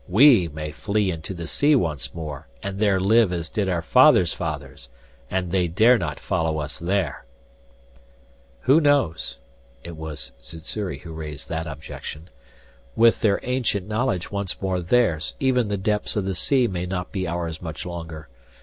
We may flee into the sea once more, and there live as did our fathers' fathers, and they dare not follow us there " "Who knows?" It was Sssuri who raised that objection. "With their ancient knowledge once more theirs, even the depths of the sea may not be ours much longer.